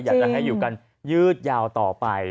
อยากจะให้อยู่กันยืดยาวต่อไป